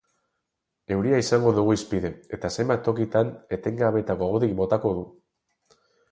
Euria izango dugu hizpide eta zenbait tokitan etengabe eta gogotik botako du.